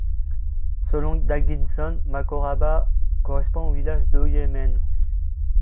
Selon Dan Gibson, Macoraba correspond au village d’ au Yémen.